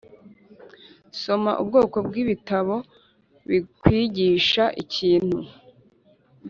soma ubwoko bwibitabo bikwigisha ikintu.